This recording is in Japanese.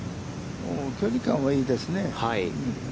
距離感はいいですね。